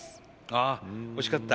ああおいしかった？